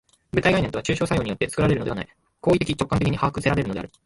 具体概念とは抽象作用によって作られるのではない、行為的直観的に把握せられるのである。